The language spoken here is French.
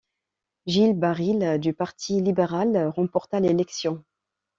Gilles Baril du Parti libéral remporta l'élection.